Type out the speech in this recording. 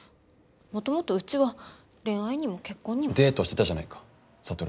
もともとうちは恋愛にも結婚にも。デートしてたじゃないか智と。